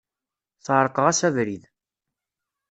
Sεerqeɣ-as abrid.